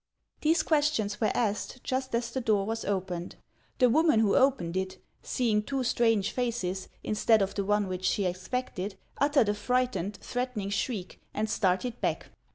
These questions were asked just as the door was opened. The woman who opened it, seeing two strange faces in stead of the one which she expected, uttered a frightened, threatening shriek, and started back.